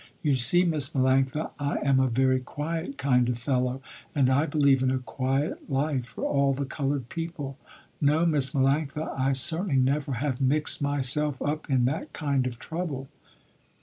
You see Miss Melanctha I am a very quiet kind of fellow, and I believe in a quiet life for all the colored people. No Miss Melanctha I certainly never have mixed myself up in that kind of trouble."